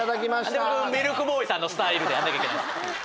何でミルクボーイさんのスタイルでやんなきゃいけないんですか。